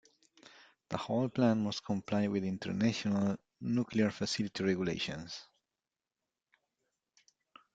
The whole plant must comply with international nuclear facility regulations.